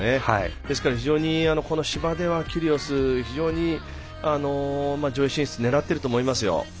ですから非常にこの芝ではキリオス、非常に上位進出狙ってると思いますよ。